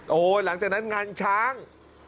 โอ้โหหลังจากนั้นงานช้าง